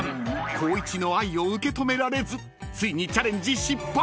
光一の愛を受け止められずついにチャレンジ失敗］